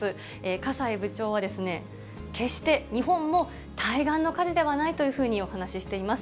葛西部長は、決して日本も対岸の火事ではないというふうにお話しています。